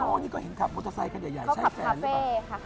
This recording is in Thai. ตอนนี้ก็เห็นขับมอเตอร์ไซต์กันใหญ่ใช้แฟนนี่แหละ